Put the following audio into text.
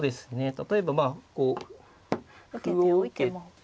例えばまあこう歩を受けて